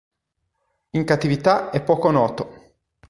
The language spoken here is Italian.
In cattività è poco noto.